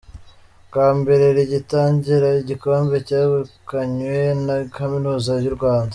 Bwa mbere rigitangira igikombe cyegukanywe na kaminuza y’u Rwanda.